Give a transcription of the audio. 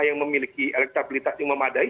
yang memiliki elektabilitas yang memadai